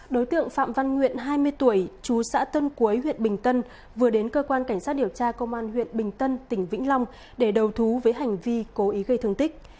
đối tượng phạm văn nguyện hai mươi tuổi chú xã tân quế huyện bình tân vừa đến cơ quan cảnh sát điều tra công an huyện bình tân tỉnh vĩnh long để đầu thú với hành vi cố ý gây thương tích